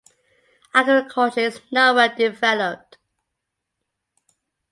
Agriculture is not well developed.